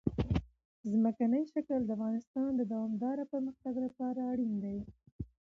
ځمکنی شکل د افغانستان د دوامداره پرمختګ لپاره اړین دي.